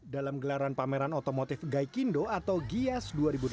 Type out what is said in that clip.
dalam gelaran pameran otomotif gaikindo atau gias dua ribu delapan belas